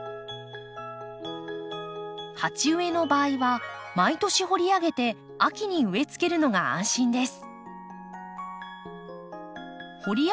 鉢植えの場合は毎年掘り上げて秋に植えつけるのが安心です。